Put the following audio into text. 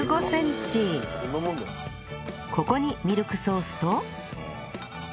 ここにミルクソースと